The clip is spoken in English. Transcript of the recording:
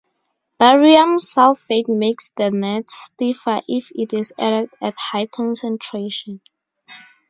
Barium sulfate makes the nets stiffer if it is added at high concentration.